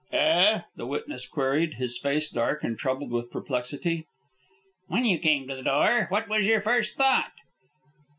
"Eh?" the witness queried, his face dark and troubled with perplexity. "When you came to the door, what was your first thought?"